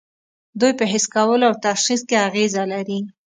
دوی په حس کولو او تشخیص کې اغیزه لري.